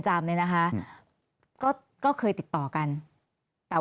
แต่ได้ยินจากคนอื่นแต่ได้ยินจากคนอื่น